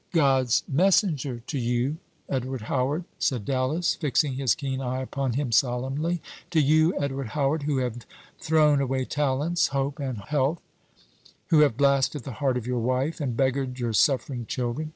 "God's messenger to you, Edward Howard," said Dallas, fixing his keen eye upon him solemnly; "to you, Edward Howard, who have thrown away talents, hope, and health who have blasted the heart of your wife, and beggared your suffering children.